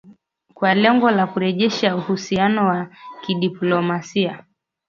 kwa lengo la kurejesha uhusiano wa kidiplomasia